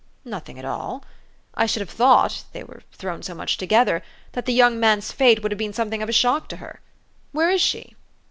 "Nothing at all? I should have thought they were thrown so much together that the young man's fate would have been something of a shock to her. Where is she